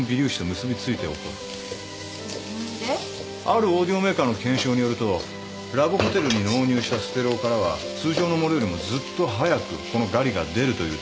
あるオーディオメーカーの検証によるとラブホテルに納入したステレオからは通常のものよりもずっと早くこのガリが出るというデータが出た。